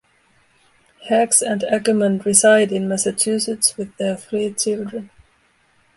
Hax and Ackerman reside in Massachusetts with their three children.